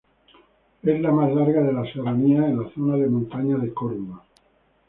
Es la más larga de las serranías de la zona de montaña de Córdoba.